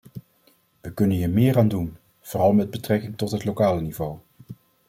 We kunnen hier meer aan doen, vooral met betrekking tot het lokale niveau.